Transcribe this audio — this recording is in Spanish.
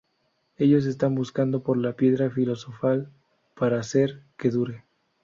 Ellos están buscando por la piedra filosofal para hacer que dure.